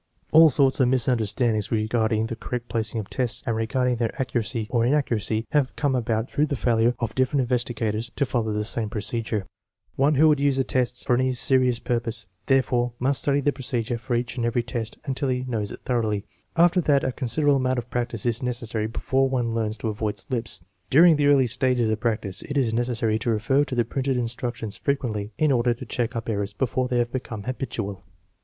All sorts of misunderstandings re garding the correct placing of tests and regarding their accuracy or inaccuracy have come about through the failure of different investigators to follow the same procedure. One who would use the tests for any serious purpose, therefore, must study the procedure for each and every 132 THE MEASUREMENT OF INTELLIGENCE test until he knows it thoroughly. After that a consid erable amount of practice is necessary before one learns to avoid slips. During the early stages of practice it is neces sary to refer to the printed instructions frequently in order to check up errors before they have become habitual.